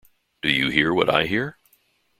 Do You Hear What I Hear?